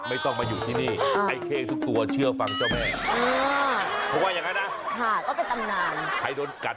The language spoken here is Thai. ว่าจราเข้ที่นี่ต่อให้เหลือออกมาไม่เคยทำร้ายผู้คน